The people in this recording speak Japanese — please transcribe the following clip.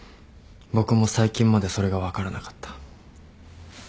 僕も最近までそれが分からなかった。